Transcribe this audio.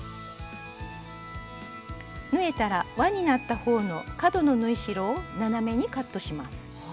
縫えたらわになった方の角の縫い代を斜めにカットします。